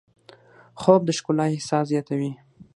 خوب د ښکلا احساس زیاتوي